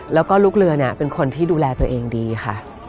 แล้วก็ลูกเรือเนี่ยเป็นคนที่ดูแลตัวเองดีค่ะ